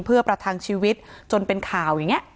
เพื่อประทังชีวิตจนเป็นข่าวอย่างนี้